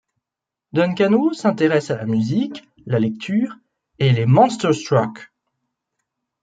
Duncan Wu s'intéresse à la musique, la lecture et les monsters truck.